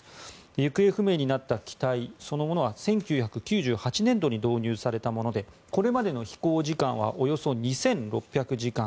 行方不明になった機体そのものは１９９８年度に導入されたものでこれまでの飛行時間はおよそ２６００時間。